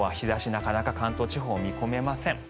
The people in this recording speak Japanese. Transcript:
なかなか関東地方見込めません。